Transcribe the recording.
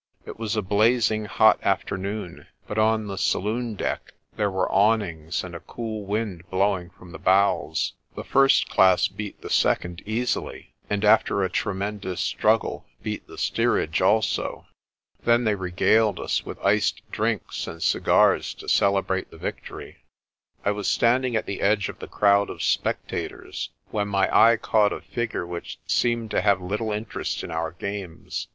It was a blazing hot afternoon, but on the saloon deck there were awnings and a cool wind blowing 1 from the bows. The first class beat the second easily, and after a tremendous struggle beat the steerage also. Then they regaled us with iced drinks and cigars to celebrate the victory. I was standing at the edge of the crowd of spectators, when my eye caught a figure which seemed to have little interest in our games.